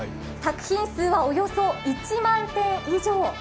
作品数はおよそ１万点以上。